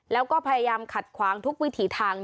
แล้วก็พยายามขัดขวางทุกวิถีทาง